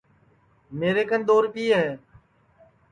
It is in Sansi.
میرے کن دؔو ریپئے ہے